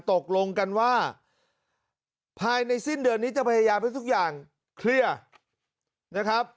ตกลงกันว่าภายในสิ้นเดือนนี้จะพยายามให้ทุกอย่างเคลียร์นะครับ